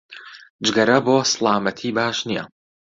جگەرە بۆ سڵامەتی باش نییە